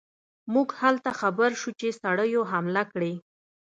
موږ هلته خبر شو چې سړیو حمله کړې.